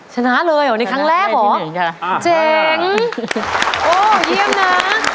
ชนะเลยเหรอนี่ครั้งแรกเหรอชนะแรกที่หนึ่งค่ะเจ๋งโอ้เยี่ยมน่ะ